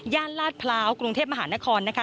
ย่านลาดพลาวกรุงเทพมหานครนะคะ